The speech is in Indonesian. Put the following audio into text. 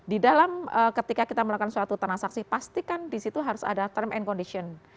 di dalam ketika kita melakukan suatu transaksi pastikan di situ harus ada term and condition